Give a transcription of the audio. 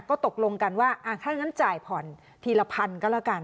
ก็ตกลงกันว่าถ้างั้นจ่ายผ่อนทีละพันก็แล้วกัน